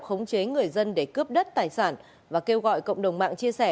khống chế người dân để cướp đất tài sản và kêu gọi cộng đồng mạng chia sẻ